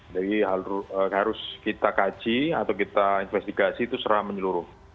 jadi harus kita kaji atau kita investigasi itu secara menyeluruh